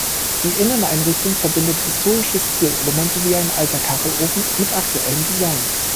Die Inneneinrichtung verbindet historische Stilelemente wie ein alter Kachelofen mit aktuellem Design.